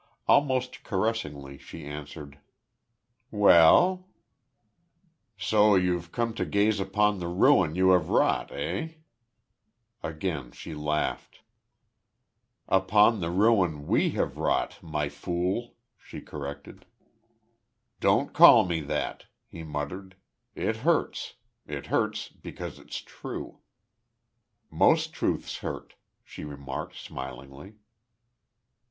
Almost caressingly, she answered: "Well?" "So you've come to gaze upon the ruin you have wrought, eh?" Again she laughed. "Upon the ruin we have wrought, My Fool," she corrected. "Don't call me that," he muttered. "It hurts. It hurts because it's true." "Most truths hurt," she remarked, smilingly.